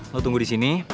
lo tunggu disini